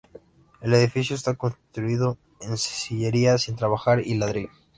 El edificio está construido en sillería sin trabajar y ladrillo.